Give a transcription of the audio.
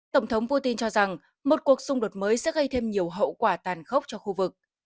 tổng thống putin cho rằng một cuộc xung đột mới sẽ gây thêm nhiều hậu quả tàn khốc cho khu vực